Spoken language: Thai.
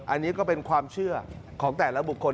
อันนี้ก็เป็นความเชื่อของแต่ละบุคคล